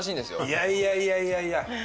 いやいやいやいやいや！